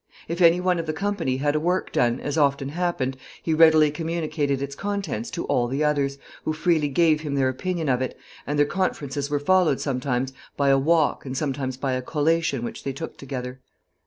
If any one of the company had a work done, as, often happened, he readily communicated its contents to all the others, who freely gave him their opinion of it, and their conferences were followed sometimes by a walk and sometimes by a collation which they took together.